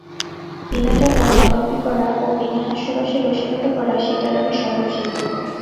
বিনা টাকায় নবাবী করা ও বিনা হাস্যরসে রসিকতা করা সীতারামের স্বভাবসিদ্ধ।